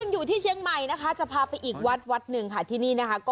อยู่ที่เชียงใหม่นะคะจะพาไปอีกวัดวัดหนึ่งค่ะที่นี่นะคะ